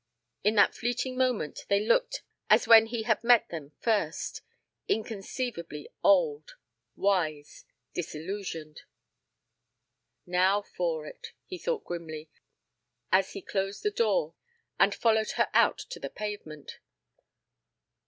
In that fleeting moment they looked as when he had met them first: inconceivably old, wise, disillusioned. "Now for it," he thought grimly as he closed the door and followed her out to the pavement.